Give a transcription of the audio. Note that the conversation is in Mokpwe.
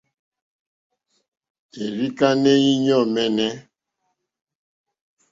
Èrzì kánɛ́ íɲɔ̂ mɛ́nɛ́.